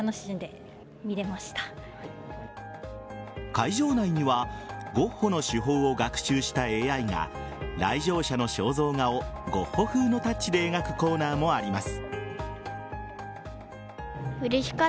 会場内にはゴッホの手法を学習したＡＩが来場者の肖像画をゴッホ風のタッチで描くコーナーもあります。